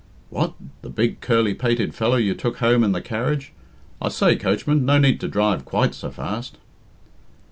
"What? The big, curly pated fellow you took home in the carriage?... I say, coachman, no need to drive quite so fast."